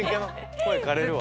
声枯れるわ。